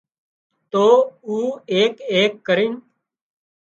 تو او ايڪ ايڪ ڪرينَ